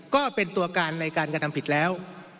ก็เป็นตัวการในการกระทำผิดแล้ว